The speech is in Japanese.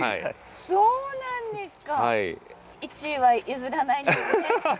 そうなんですか。